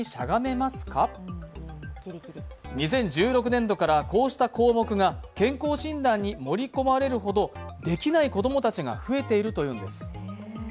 ２０１６年度からこうした項目が健康診断に盛り込まれるほど、できない子供たちが増えているというんです。